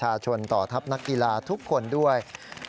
นายยกรัฐมนตรีพบกับทัพนักกีฬาที่กลับมาจากโอลิมปิก๒๐๑๖